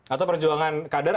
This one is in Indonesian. atau perjuangan kader